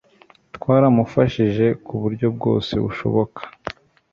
twaramufashije kuburyo bwose bushoboka